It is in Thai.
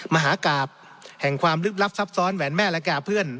มหากราบแห่งความลึกลับซับซ้อนแหวนแม่และแก่เพื่อน